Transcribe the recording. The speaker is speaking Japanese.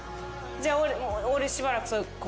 じゃあ俺しばらく。